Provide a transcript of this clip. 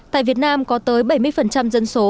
tại việt nam có tới bảy mươi dân số